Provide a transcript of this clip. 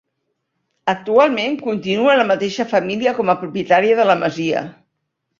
Actualment continua la mateixa família com a propietària de la masia.